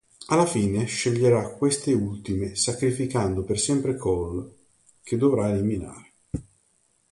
Alla fine sceglierà queste ultime, sacrificando per sempre Cole, che dovrà eliminare.